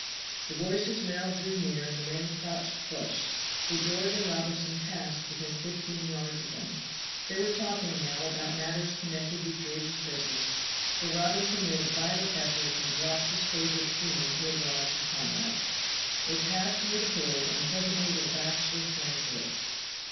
The voices now drew near and the men crouched close, for George and Robinson passed within fifteen yards of them. They were talking now about matters connected with George's business, for Robinson made a violent effort and dropped his favorite theme to oblige his comrade. They passed near the cave, and presently their backs were turned to it.